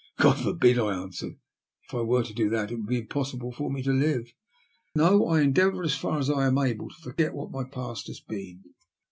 '*'^ God forbid," I answered. '' If I were to do that it would be impossible for me to live. No; I en deavour, as far as I am able, to forget what my past has been."